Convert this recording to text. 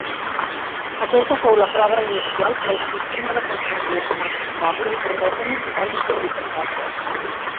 Aquesta fou la prova inicial que el sistema d'aquestes dues masses mòbils emeten ones gravitatòries.